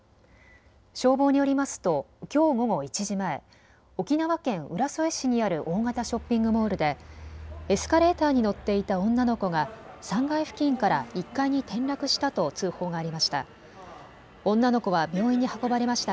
消防によりますときょう午後１時前、沖縄県浦添市にある大型ショッピングモールでエスカレーターに乗っていた女の子が３階付近から１階に転落したと通報がありました。